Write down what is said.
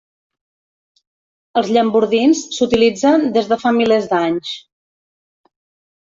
Els llambordins s'utilitzen des de fa milers d'anys.